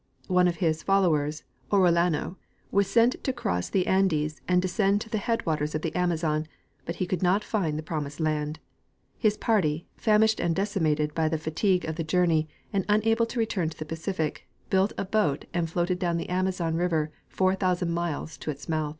One of his followers, Orellano, was sent to cross the Andes and descend to the headwaters of the Amazon, but he could not find the promised land. His party, famished and decimated by the fatigue of the journey and unable to return to the Pacific, built a boat and floated down the Amazon river 4,000 miles, to its mouth , The Conquest of Peru and Mexico.